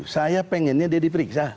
saya pengennya dia diperiksa